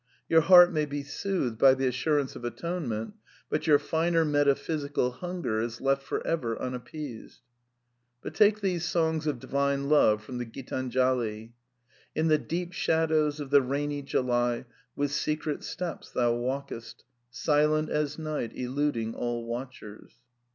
Your heart may be soothed by the assurance of atonement ; but your finer metaphysical hunger is left for ever unap peased. But take these songs of Divine Love from the Qitanjali: "In the deep shadows of the rainy July, with secret steps, thou walkest, silent as night, eluding all watchers.